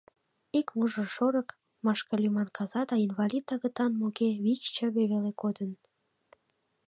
Ик мужыр шорык, Машка лӱман каза да инвалид-агытанге-моге вич чыве веле кодыныт.